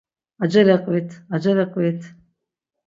Acele qvit, acele qvit!